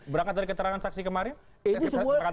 berangkat dari keterangan saksi kemarin